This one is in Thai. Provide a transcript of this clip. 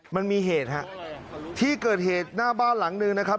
มันมีเหตุฮะที่เกิดเหตุหน้าบ้านหลังหนึ่งนะครับ